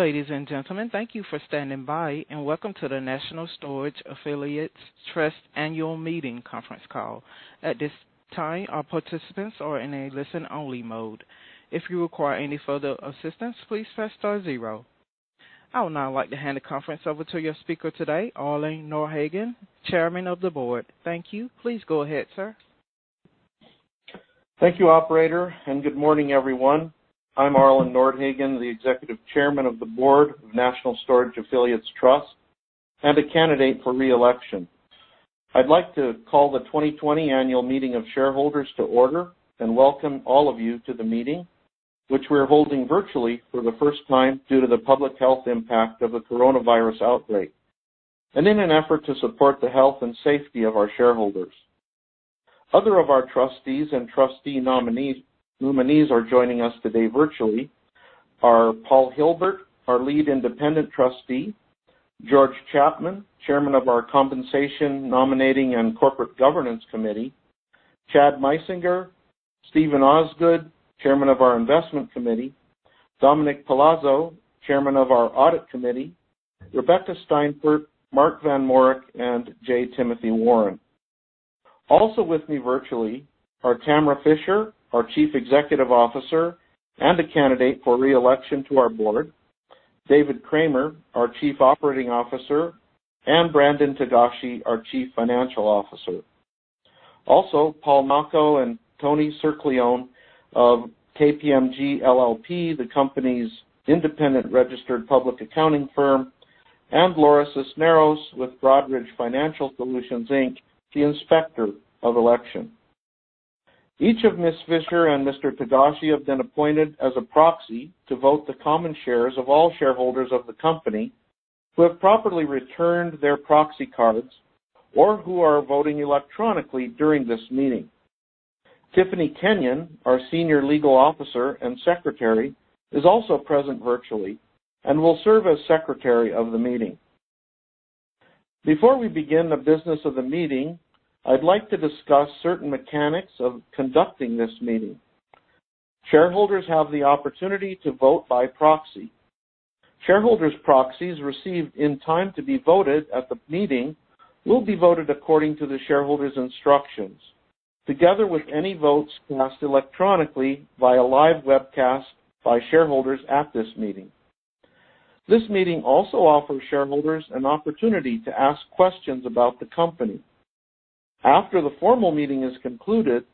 Ladies and gentlemen, thank you for standing by, and welcome to the National Storage Affiliates Trust annual meeting conference call. At this time, our participants are in a listen-only mode. If you require any further assistance, please press star zero. I would now like to hand the conference over to your speaker today, Arlen Nordhagen, chairman of the board. Thank you. Please go ahead, sir. Thank you, operator, and good morning, everyone. I'm Arlen Nordhagen, the Executive Chairman of the board of National Storage Affiliates Trust, and a candidate for re-election. I'd like to call the 2020 annual meeting of shareholders to order and welcome all of you to the meeting, which we're holding virtually for the first time due to the public health impact of the coronavirus outbreak and in an effort to support the health and safety of our shareholders. Other of our trustees and trustee nominees are joining us today virtually are Paul Hylbert, our Lead Independent Trustee, George Chapman, Chairman of our Compensation, Nominating, and Corporate Governance Committee, Chad Meisinger, Steven Osgood, Chairman of our Finance Committee, Dominic Palazzo, Chairman of our Audit Committee, Rebecca Steinfort, Mark Van Mourick, and J. Timothy Warren. With me virtually are Tamara Fischer, our Chief Executive Officer and a candidate for re-election to our board, David Cramer, our Chief Operating Officer, and Brandon Togashi, our Chief Financial Officer. Paul Nocco and Tony Circolone of KPMG LLP, the company's independent registered public accounting firm, and Laura Cisneros with Broadridge Financial Solutions, Inc., the inspector of election. Each of Ms. Fischer and Mr. Togashi have been appointed as a proxy to vote the common shares of all shareholders of the company who have properly returned their proxy cards or who are voting electronically during this meeting. Tiffany Kenyon, our Senior Legal Officer and Secretary, is also present virtually and will serve as Secretary of the meeting. Before we begin the business of the meeting, I'd like to discuss certain mechanics of conducting this meeting. Shareholders have the opportunity to vote by proxy. Shareholders' proxies received in time to be voted at the meeting will be voted according to the shareholder's instructions, together with any votes cast electronically via live webcast by shareholders at this meeting. This meeting also offers shareholders an opportunity to ask questions about the company. After the formal meeting is concluded,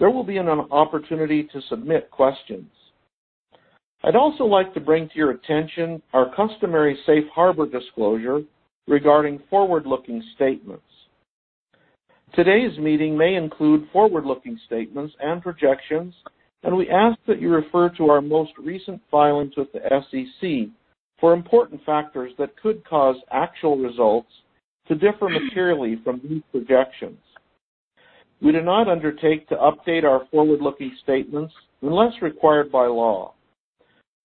there will be an opportunity to submit questions. I'd also like to bring to your attention our customary safe harbor disclosure regarding forward-looking statements. Today's meeting may include forward-looking statements and projections. We ask that you refer to our most recent filings with the SEC for important factors that could cause actual results to differ materially from these projections. We do not undertake to update our forward-looking statements unless required by law.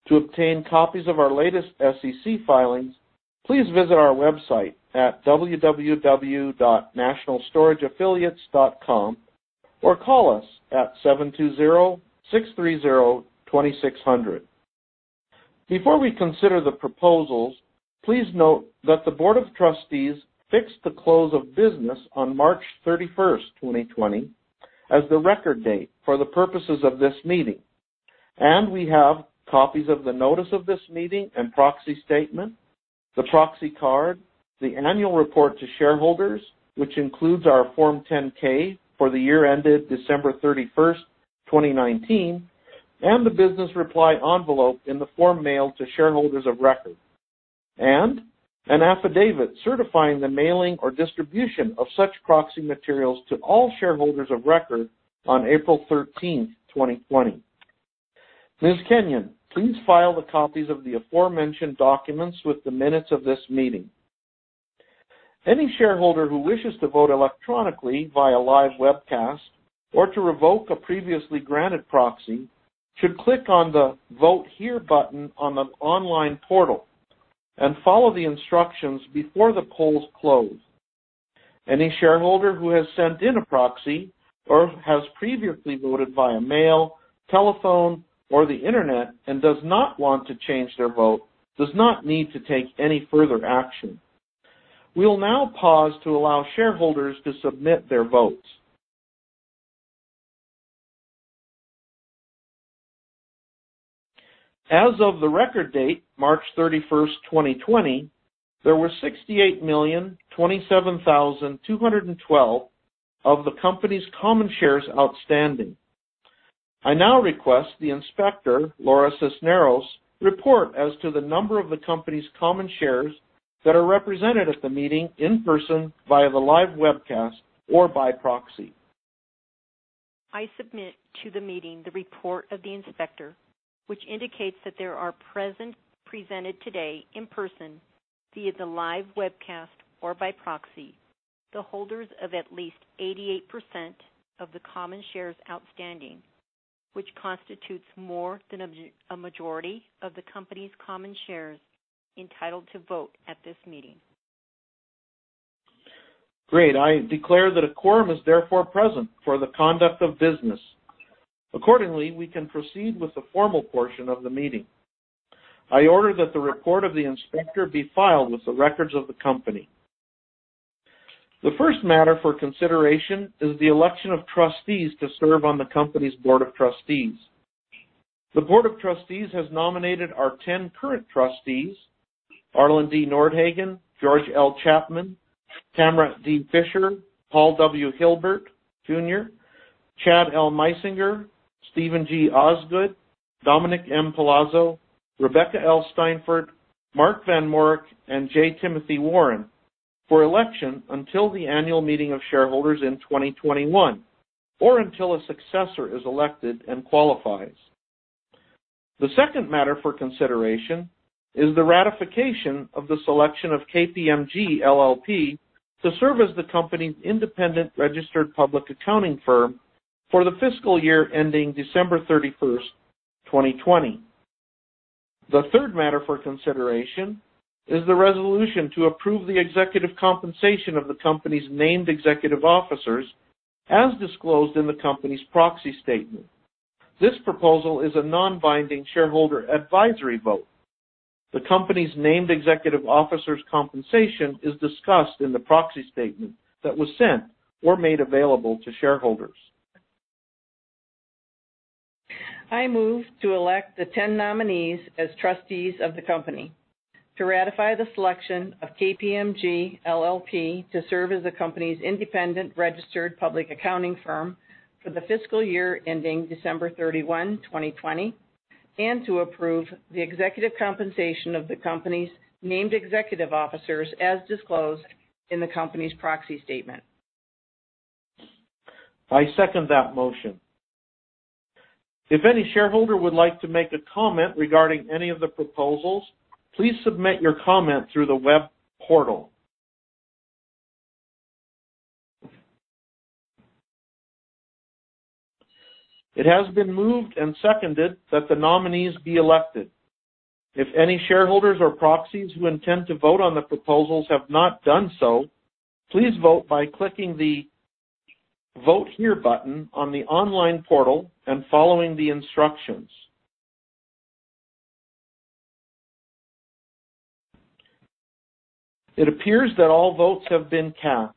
To obtain copies of our latest SEC filings, please visit our website at www.nationalstorageaffiliates.com or call us at 720 630 2600. Before we consider the proposals, please note that the board of trustees fixed the close of business on March 31st, 2020, as the record date for the purposes of this meeting. We have copies of the notice of this meeting and proxy statement, the proxy card, the annual report to shareholders, which includes our Form 10-K for the year ended December 31st, 2019, and the business reply envelope in the form mailed to shareholders of record and an affidavit certifying the mailing or distribution of such proxy materials to all shareholders of record on April 13th, 2020. Ms. Kenyon, please file the copies of the aforementioned documents with the minutes of this meeting. Any shareholder who wishes to vote electronically via live webcast or to revoke a previously granted proxy should click on the Vote Here button on the online portal and follow the instructions before the polls close. Any shareholder who has sent in a proxy or has previously voted via mail, telephone, or the Internet and does not want to change their vote does not need to take any further action. We will now pause to allow shareholders to submit their votes. As of the record date, March 31st, 2020, there were 68,027,212 of the company's common shares outstanding. I now request the inspector, Laura Cisneros, report as to the number of the company's common shares that are represented at the meeting in person via the live webcast or by proxy. I submit to the meeting the report of the inspector, which indicates that there are present, presented today in person via the live webcast or by proxy, the holders of at least 88% of the common shares outstanding, which constitutes more than a majority of the company's common shares entitled to vote at this meeting. Great. I declare that a quorum is therefore present for the conduct of business. Accordingly, we can proceed with the formal portion of the meeting. I order that the report of the inspector be filed with the records of the company. The first matter for consideration is the election of trustees to serve on the company's Board of Trustees. The Board of Trustees has nominated our 10 current trustees, Arlen D. Nordhagen, George L. Chapman, Tamara D. Fischer, Paul W. Hylbert, Jr., Chad L. Meisinger, Steven G. Osgood, Dominic M. Palazzo, Rebecca L. Steinfort, Mark Van Mourick, and J. Timothy Warren, for election until the annual meeting of shareholders in 2021, or until a successor is elected and qualifies. The second matter for consideration is the ratification of the selection of KPMG LLP to serve as the company's independent registered public accounting firm for the fiscal year ending December 31st, 2020. The third matter for consideration is the resolution to approve the executive compensation of the company's named executive officers as disclosed in the company's proxy statement. This proposal is a non-binding shareholder advisory vote. The company's named executive officers compensation is discussed in the proxy statement that was sent or made available to shareholders. I move to elect the 10 nominees as trustees of the company, to ratify the selection of KPMG LLP to serve as the company's independent registered public accounting firm for the fiscal year ending December 31, 2020, and to approve the executive compensation of the company's named executive officers as disclosed in the company's proxy statement. I second that motion. If any shareholder would like to make a comment regarding any of the proposals, please submit your comment through the web portal. It has been moved and seconded that the nominees be elected. If any shareholders or proxies who intend to vote on the proposals have not done so, please vote by clicking the Vote Here button on the online portal and following the instructions. It appears that all votes have been cast.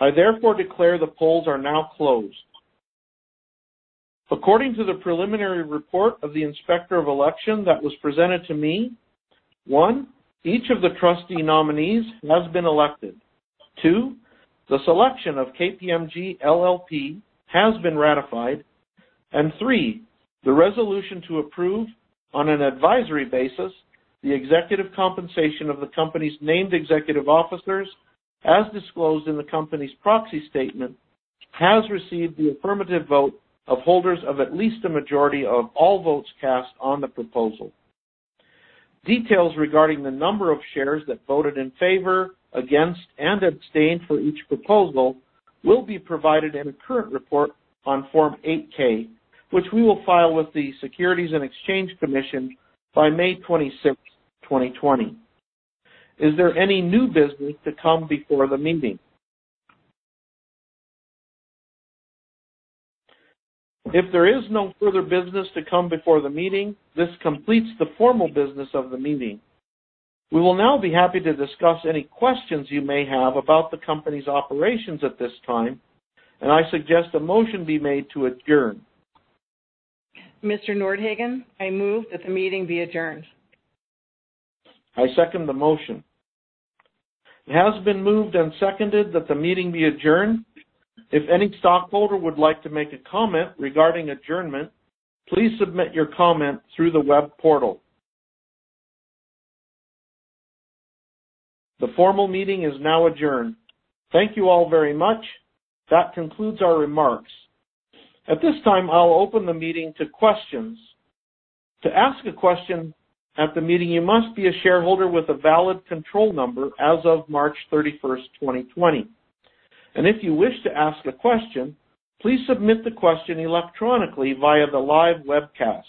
I therefore declare the polls are now closed. According to the preliminary report of the inspector of election that was presented to me, one, each of the trustee nominees has been elected, two, the selection of KPMG LLP has been ratified, and three, the resolution to approve, on an advisory basis, the executive compensation of the company's named executive officers as disclosed in the company's proxy statement, has received the affirmative vote of holders of at least a majority of all votes cast on the proposal. Details regarding the number of shares that voted in favor, against, and abstained for each proposal will be provided in a current report on Form 8-K, which we will file with the Securities and Exchange Commission by May 26, 2020. Is there any new business to come before the meeting? If there is no further business to come before the meeting, this completes the formal business of the meeting. We will now be happy to discuss any questions you may have about the company's operations at this time. I suggest a motion be made to adjourn. Mr. Nordhagen, I move that the meeting be adjourned. I second the motion. It has been moved and seconded that the meeting be adjourned. If any stockholder would like to make a comment regarding adjournment, please submit your comment through the web portal. The formal meeting is now adjourned. Thank you all very much. That concludes our remarks. At this time, I'll open the meeting to questions. To ask a question at the meeting, you must be a shareholder with a valid control number as of March 31st, 2020. If you wish to ask a question, please submit the question electronically via the live webcast.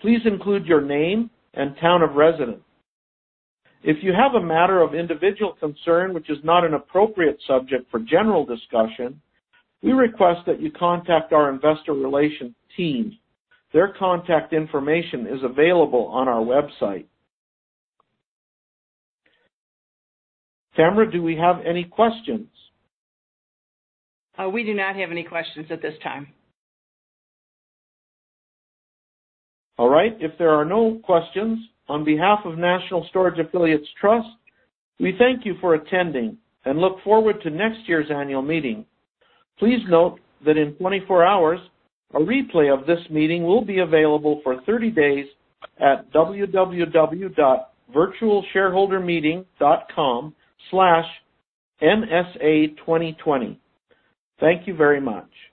Please include your name and town of residence. If you have a matter of individual concern, which is not an appropriate subject for general discussion, we request that you contact our investor relations team. Their contact information is available on our website. Tamara, do we have any questions? We do not have any questions at this time. All right. If there are no questions, on behalf of National Storage Affiliates Trust, we thank you for attending and look forward to next year's annual meeting. Please note that in 24 hours, a replay of this meeting will be available for 30 days at www.virtualshareholdermeeting.com/nsa2020. Thank you very much.